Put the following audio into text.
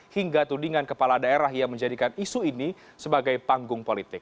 hingga tudingan kepala daerah yang menjadikan isu ini sebagai panggung politik